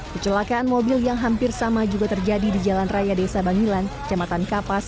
kecelakaan mobil yang hampir sama juga terjadi di jalan raya desa bangilan cematan kapas